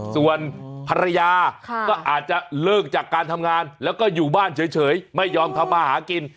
ส่วนภรรยาก็อาจจะเลิกจากการทำงานแล้วก็อยู่บ้านเฉยไม่ยอมทำมาหากิน